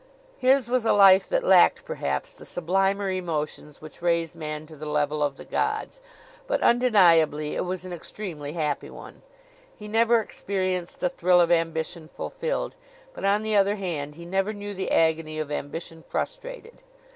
His was a life that lacked, perhaps, the sublimer emotions which raise man to the level of the gods; but undeniably it was an extremely happy one. He never experienced the thrill of ambition fulfilled; but, on the other hand, he never knew the agony of ambition frustrated.